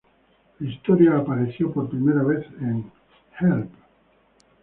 La historia apareció por primera vez en "Help!